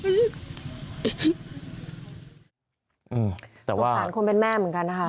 สงสารคนเป็นแม่เหมือนกันนะคะ